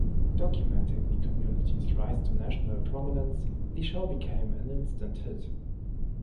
Documenting the community's rise to national prominence the show became an instant hit.